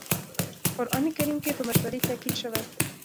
په قرآن کريم کې په مشورې تاکيد شوی.